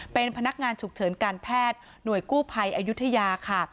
เป็นพนักงานฉุกเฉินการแพทย์หน่วยกู้ภัยอายุทยาค่ะ